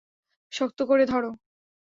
শক্ত করে ধর।